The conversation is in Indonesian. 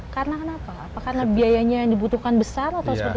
karena biayanya yang dibutuhkan besar atau seperti apa